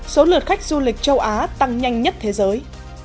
số lượt khách du lịch châu á tăng nhanh nhất thế giới